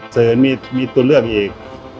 เสนอมีตัวเลือกอีก